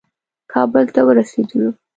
کابل ته ورسېدلو.